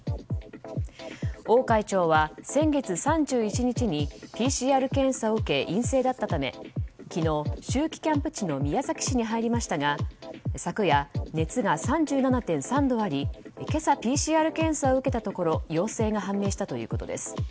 王会長は先月３１日にＰＣＲ検査を受け陰性だったため昨日、秋季キャンプ地の宮崎市に入りましたが昨夜、熱が３７．３度あり今朝、ＰＣＲ検査を受けたところ陽性が判明したということです。